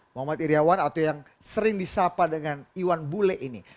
muhammad iryawan atau yang sering disapa dengan iwan bule ini